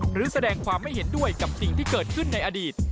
หรือแสดงความไม่เห็นด้วยกับสิ่งที่เกิดขึ้นในอดีต